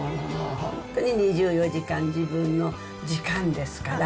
本当に２４時間、自分の時間ですから。